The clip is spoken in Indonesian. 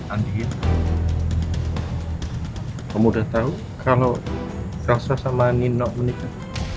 anjir kamu udah tau kalau elsa sama nino menikah